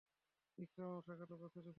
ইকরামাও সেখানে উপস্থিত ছিল।